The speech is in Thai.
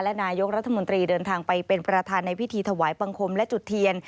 นายกรัฐมนตรีเดินทางไปเป็นประธานในพิธีถวายบังคมและจุดเทียน